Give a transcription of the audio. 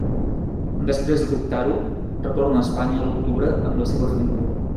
Després de dubtar-ho, retorna a Espanya a l'octubre amb la seva família.